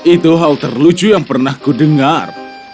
itu hal terlucu yang pernah ku dengar